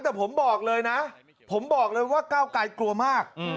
แต่ผมบอกเลยนะผมบอกเลยว่าก้าวไกลกลัวมาก